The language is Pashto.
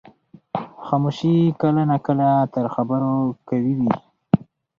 خاموشي کله ناکله تر خبرو قوي وي.